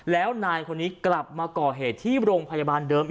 แล้วนายคนนี้กลับมาก่อเหตุที่โรงพยาบาลเดิม